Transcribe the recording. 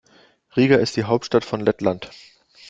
Riga ist die Hauptstadt von Lettland.